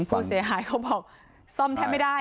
พูดเสียหายเขาบอกซ่อมแทบไม่ได้อ่ะ